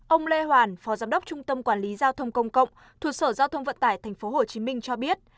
ông lê hoàn phó giám đốc trung tâm quản lý giao thông công cộng thuộc sở giao thông vận tải tp hcm cho biết